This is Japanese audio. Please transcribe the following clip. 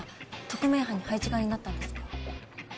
特命班に配置換えになったんですか？